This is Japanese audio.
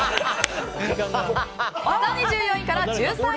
２４位から１３位。